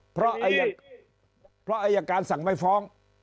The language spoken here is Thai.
เพราะอายการสั่งไม่ฟ้อง